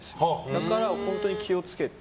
だから、本当に気を付けて。